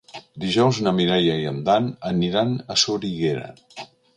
Dijous na Mireia i en Dan aniran a Soriguera.